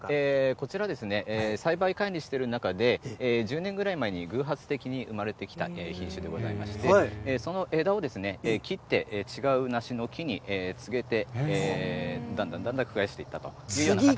こちらですね、栽培管理している中で、１０年ぐらい前に偶発的に生まれてきた品種でございまして、その枝を切って、違う梨の木に接げて、だんだんだんだん増やしていったというようなことでございます。